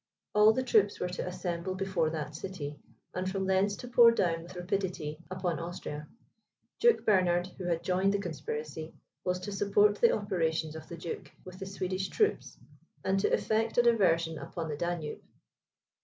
All the troops were to assemble before that city, and from thence to pour down with rapidity upon Austria. Duke Bernard, who had joined the conspiracy, was to support the operations of the duke, with the Swedish troops, and to effect a diversion upon the Danube.